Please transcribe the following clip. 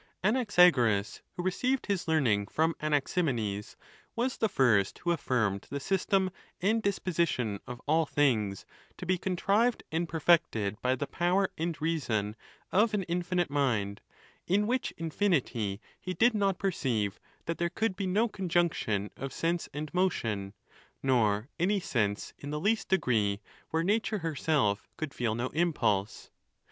XI. Anaxagoras, who i eceived his learning from Anax imenes, was the first who affirmed the system and dispo sition of all things to be contrived and perfected by the power and reason of an infinite mind ; in which infinity he did not perceive that there could be no conjunction of sense and motion, nor any sense in the least degree, where nature herself could feel no impulse.